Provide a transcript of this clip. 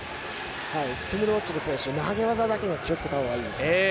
トゥムル・オチル選手は投げ技だけは気をつけたほうがいいです。